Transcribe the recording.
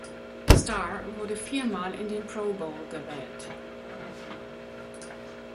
Starr wurde viermal in den Pro Bowl gewählt.